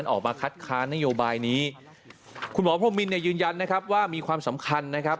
นั้นออกมาคัดค้านโยบายนี้คุณหมอมิ้งยืนยันนะครับว่ามีความสำคัญนะครับ